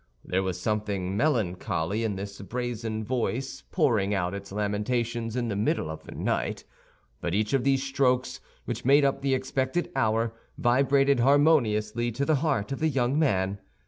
There was something melancholy in this brazen voice pouring out its lamentations in the middle of the night; but each of those strokes, which made up the expected hour, vibrated harmoniously to the heart of the young man.